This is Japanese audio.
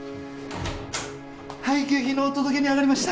配給品のお届けにあがりました